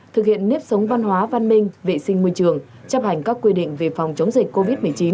thực hiện nếp sống văn hóa văn minh vệ sinh môi trường chấp hành các quy định về phòng chống dịch covid một mươi chín